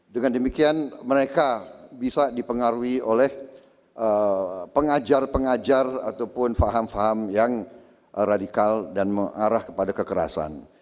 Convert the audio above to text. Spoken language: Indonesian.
dengan demikian mereka bisa dipengaruhi oleh pengajar pengajar ataupun faham faham yang radikal dan mengarah kepada kekerasan